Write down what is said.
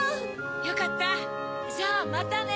よかったじゃあまたね！